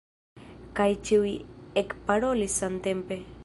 Kaj ĉiuj ekparolis samtempe.